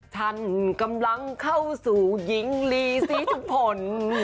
ฉันกำลังเข้าสู่หญิงลีซีจุภล